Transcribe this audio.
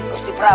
baik gusti prabu